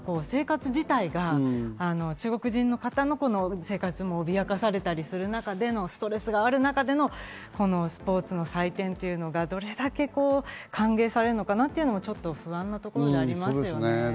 生活自体が中国人の方の生活も脅かされたりする中でのストレスがある中でのスポーツの祭典っていうのがどれだけ歓迎されるのかなっていうのはちょっと不安なところがあります。